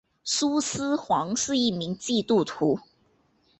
苏施黄是一名基督徒。